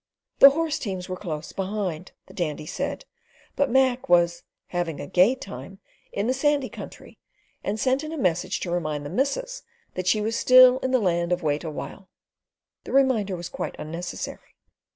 The horse teams were close behind, the Dandy said, but Mac was "having a gay time" in the sandy country, and sent in a message to remind the missus that she was still in the Land of Wait awhile. The reminder was quite unnecessary.